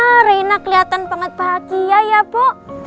wah reina kelihatan banget bahagia ya bu